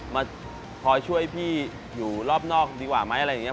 มาคอยช่วยพี่อยู่รอบนอกดีกว่าไหมอะไรอย่างนี้